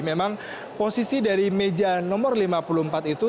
memang posisi dari meja nomor lima puluh empat itu